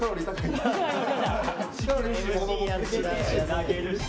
投げるし。